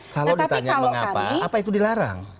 kalau ditanya mengapa apa itu dilarang